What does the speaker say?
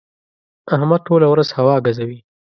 احمد ټوله ورځ هوا ګزوي.